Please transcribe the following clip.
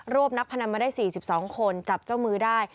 นักพนันมาได้๔๒คนจับเจ้ามือได้